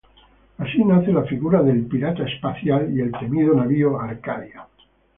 Así, nace la figura del Pirata Espacial y el temido navío Arcadia.